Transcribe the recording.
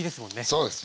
そうです